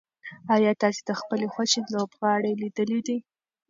ایا تاسي د خپلې خوښې لوبغاړی لیدلی دی؟